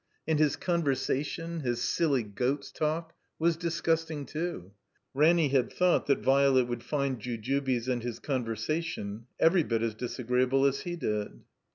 And his conversation, his silly goat's talk, was dis gusting, too. Ranny had thought that Violet would find Jujubes and his conversation every bit as dis agreeable as he did.